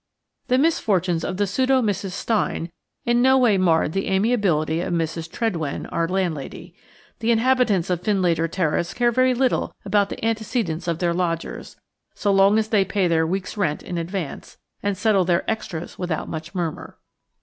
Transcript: The misfortunes of the pseudo Mrs. Stein in no way marred the amiability of Mrs. Tredwen, our landlady. The inhabitants of Findlater Terrace care very little about the antecedents of their lodgers, so long as they pay their week's rent in advance, and settle their "extras" without much murmur.